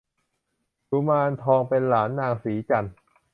กุมารทองเป็นหลานนางสีจันทร์